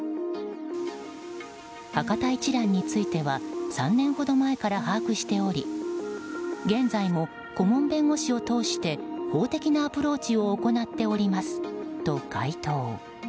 博多一蘭については３年ほど前から把握しており現在も顧問弁護士を通して法的なアプローチを行っておりますと回答。